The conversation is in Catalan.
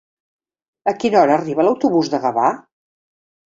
A quina hora arriba l'autobús de Gavà?